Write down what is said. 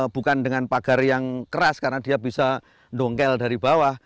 bukan dengan pagar yang keras karena dia bisa dongkel dari bawah